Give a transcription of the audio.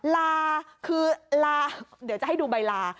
ลาคือลาเดี๋ยวจะให้ดูใบลา